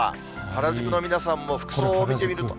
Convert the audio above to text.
原宿の皆さんの服装を見てみると。